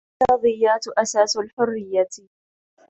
الرياضيات أساس الحرية.